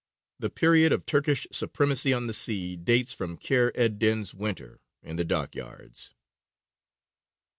The period of Turkish supremacy on the sea dates from Kheyr ed dīn's winter in the dockyards.